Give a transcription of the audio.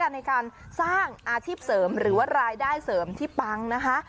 ในการสร้างอาชีพเสริมหรือว่ารายได้เสริมที่ปังนะคะ